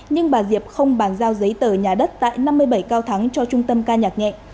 nhưng bà diệp không bàn giao giấy tờ nhà đất tại năm mươi bảy cao thắng cho trung tâm ca nhạc nhẹ